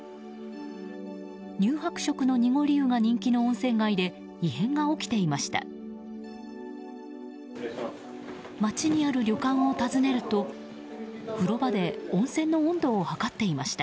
乳白色の濁り湯が人気の温泉街で異変が起きていました。